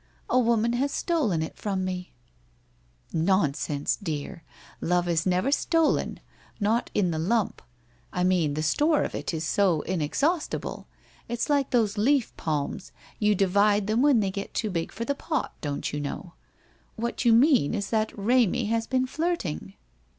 A woman has stolen it from me/ ' Nonsense, dear. Love is never stolen — not in the lump ■— I mean the store of it is so inexhaustible. It's like those leaf palms, you divide them when they get too big for the pot, don't you know? What you do mean is that Remy has been flirting.'